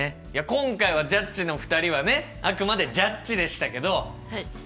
今回はジャッジの２人はねあくまでジャッジでしたけどどうです？